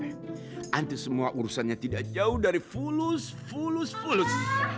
nanti semua urusannya tidak jauh dari pulus pulus pulus